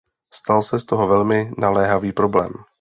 Stal se z toho velmi naléhavý problém.